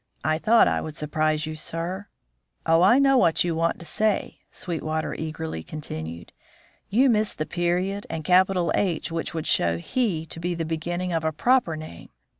I thought I would surprise you, sir. Oh, I know what you want to say!" Sweetwater eagerly continued. "You miss the period and capital H which would show 'he' to be the beginning of a proper name.